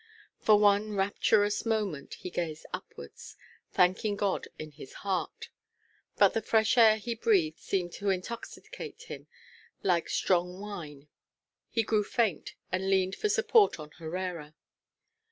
For one rapturous moment he gazed upwards, thanking God in his heart. But the fresh air he breathed seemed to intoxicate him like strong wine. He grew faint, and leaned for support on Herrera.